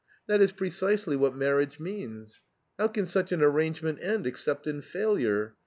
That is precisely what marriage means. How can such an arrangement end except in failure?